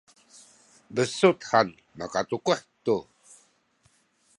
besuc han makatukuh tu